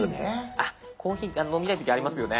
あっコーヒー飲みたい時ありますよね。